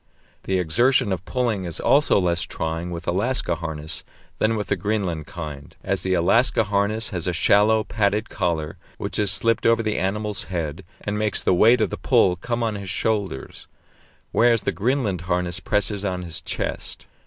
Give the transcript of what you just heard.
The exertion of pulling is also less trying with Alaska harness than with the Greenland kind, as the Alaska harness has a shallow, padded collar, which is slipped over the animal's head and makes the weight of the pull come on his shoulders, whereas the Greenland harness presses on his chest.